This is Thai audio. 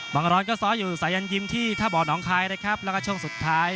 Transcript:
งร้อนก็ซ้ออยู่สายันยิ้มที่ท่าบ่อน้องคายนะครับแล้วก็ช่วงสุดท้าย